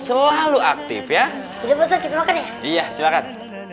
selalu aktif ya iya silakan